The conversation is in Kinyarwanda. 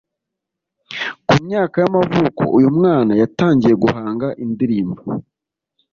Ku myaka y’amavuko uyu mwana yatangiye guhanga indirimbo